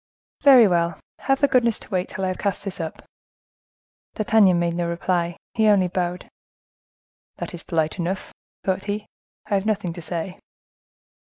"Very well; have the goodness to wait till I have cast this up." D'Artagnan made no reply; he only bowed. "That is polite enough," thought he; "I have nothing to say."